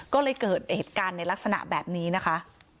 ก็เลยเกิดเหตุการณ์ในลักษณะแบบนี้นะคะ